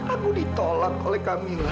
aku ditolak oleh kamila